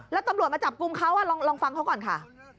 แล้วตำรวจมาจับกลุ่มเขาลองฟังเขาก่อนค่ะ